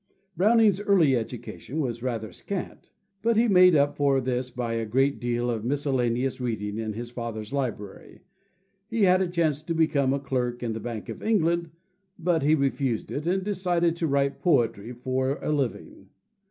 Browning's early education was rather scant; but he made up for this by a great deal of miscellaneous reading in his father's library. He had a chance to become a clerk in the Bank of England; but he refused it, and decided to write poetry for a living.